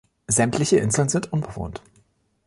Sämtliche Inseln sind unbewohnt.